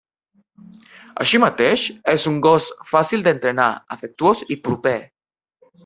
Així mateix, és un gos fàcil d'entrenar, afectuós i proper.